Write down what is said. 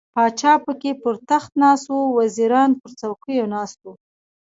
پاچا پکې پر تخت ناست و، وزیران پر څوکیو ناست وو.